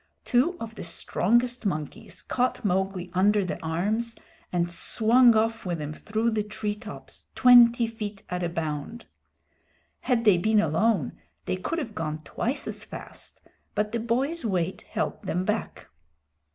Two of the strongest monkeys caught Mowgli under the arms and swung off with him through the treetops, twenty feet at a bound. Had they been alone they could have gone twice as fast, but the boy's weight held them back.